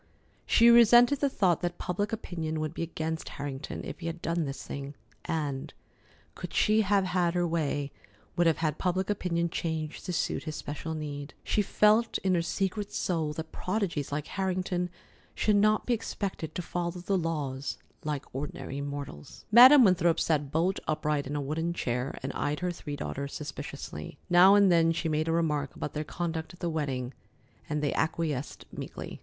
She resented the thought that public opinion would be against Harrington if he had done this thing, and, could she have had her way, would have had public opinion changed to suit his special need. She felt in her secret soul that prodigies like Harrington should not be expected to follow the laws like ordinary mortals. Madam Winthrop sat bolt upright in a wooden chair, and eyed her three daughters suspiciously. Now and then she made a remark about their conduct at the wedding, and they acquiesced meekly.